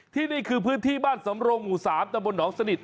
นี่คือพื้นที่บ้านสำรงหมู่๓ตะบนหนองสนิท